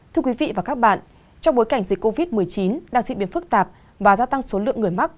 thưa quý vị và các bạn trong bối cảnh dịch covid một mươi chín đang diễn biến phức tạp và gia tăng số lượng người mắc